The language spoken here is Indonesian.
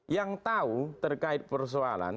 yang tahu terkait persoalan